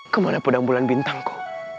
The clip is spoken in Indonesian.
kemana pedang bulan bintangku